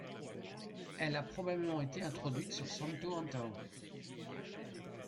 Elle a probablement été introduite sur Santo Antão.